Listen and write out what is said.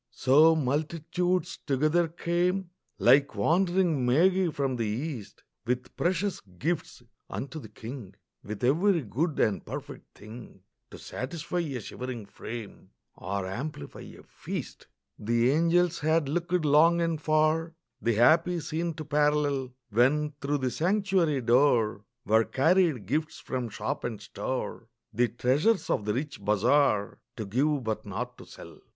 So multitudes together came, Like wandering magi from the East With precious gifts unto the King, With every good and perfect thing To satisfy a shivering frame Or amplify a feast. The angels had looked long and far The happy scene to parallel, When through the sanctuary door Were carried gifts from shop and store, The treasures of the rich bazaar, To give but not to sell.